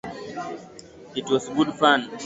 It was good fun.